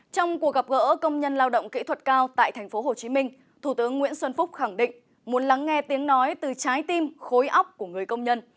trong cuộc gặp gỡ công nhân lao động kỹ thuật cao tại tp hcm thủ tướng nguyễn xuân phúc khẳng định muốn lắng nghe tiếng nói từ trái tim khối óc của người công nhân